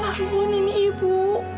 bangun ini ibu